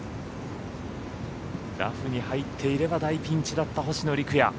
ラフに入っていれば大ピンチだった星野陸也。